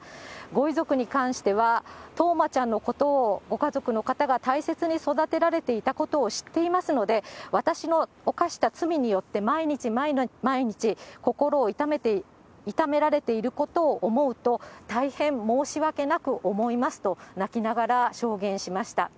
ご遺族に関しては、冬生ちゃんのことをご家族の方が大切に育てられていたことを知っていますので、私の犯した罪によって、毎日毎日心を痛められていることを思うと、大変申し訳なく思いますと、泣きながら証言しました。